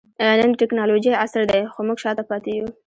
نن د ټکنالوجۍ عصر دئ؛ خو موږ شاته پاته يو.